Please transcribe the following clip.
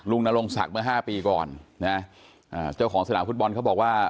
ลุงนรงศักดิ์เมื่อ๕ปีก่อนนะเจ้าของสถานพุทธบอลเขาบอกว่า